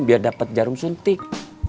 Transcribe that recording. biar dapat jarum suntik